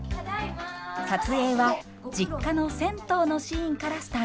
撮影は実家の銭湯のシーンからスタートしました。